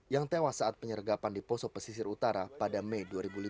yang tewas saat penyergapan di poso pesisir utara pada mei dua ribu lima belas